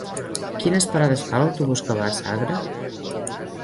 Quines parades fa l'autobús que va a Sagra?